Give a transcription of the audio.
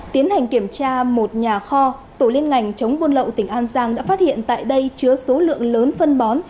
tiến hành kiểm tra một nhà kho tổ liên ngành chống buôn lậu tỉnh an giang đã phát hiện tại đây chứa số lượng lớn phân bó